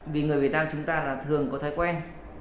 vì người việt nam chúng ta là thường có thói quen